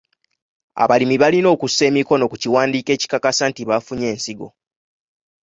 Abalimi balina okussa emikono ku kiwandiiko ekikakasa nti bafunye ensigo.